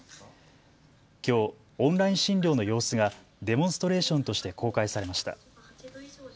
きょうオンライン診療の様子がデモンストレーションとして公開されました。